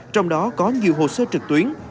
trong đó có nhiều hồ sơ trực tuyến